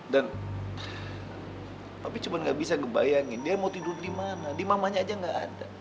dan papi cuman gak bisa ngebayangin dia mau tidur dimana di mamanya aja gak ada